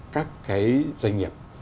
các cái doanh nghiệp